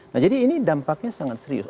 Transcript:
nah jadi ini dampaknya sangat serius